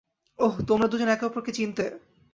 ওহ, তোমরা দুজন একে অপরকে চিনতে?